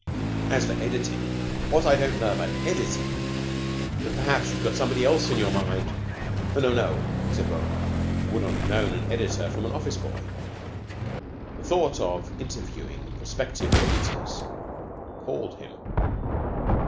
As for editing, what I don't know about editing but perhaps you had got somebody else in your mind?" "No, no," said Roland, who would not have known an editor from an office boy. The thought of interviewing prospective editors appalled him.